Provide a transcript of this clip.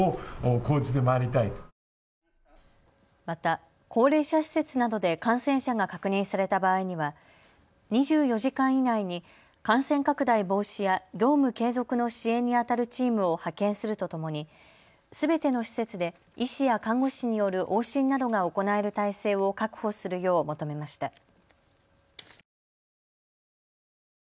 また高齢者施設などで感染者が確認された場合には２４時間以内に感染拡大防止や業務継続の支援にあたるチームを派遣するとともにすべての施設で医師や看護師による往診などが行える体制を確保するよう求めました。